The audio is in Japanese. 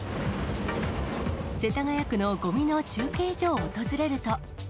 世田谷区のごみの中継所を訪れると。